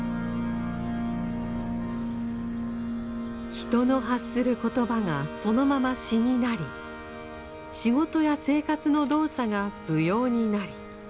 人の発する言葉がそのまま詩になり仕事や生活の動作が舞踊になり